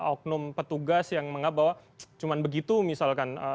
beberapa oknum petugas yang mengatakan bahwa cuma begitu misalkan